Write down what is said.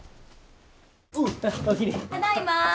ただいま。